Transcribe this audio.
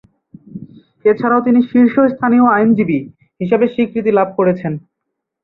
এছাড়াও তিনি "শীর্ষস্থানীয় আইনজীবী" হিসাবে স্বীকৃতি লাভ করেছেন।